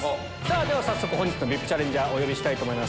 では早速本日のＶＩＰチャレンジャーお呼びしたいと思います。